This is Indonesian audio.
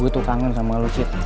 gue tuh kangen sama lo cik